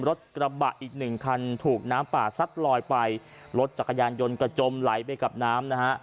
กระบะอีกหนึ่งคันถูกน้ำป่าซัดลอยไปรถจักรยานยนต์กระจมไหลไปกับน้ำนะฮะ